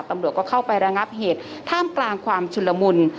ตำรวจก็เข้าไประงับเหตุท่ามกลางความชุนละมุน